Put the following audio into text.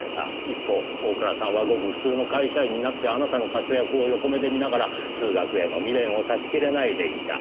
一方大倉さんはごく普通の会社員になってあなたの活躍を横目で見ながら数学への未練を断ち切れないでいた。